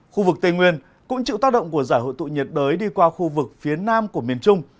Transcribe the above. khu vực tây nguyên cũng chịu tác động của giải hội tụ nhiệt đới đi qua khu vực phía nam của miền trung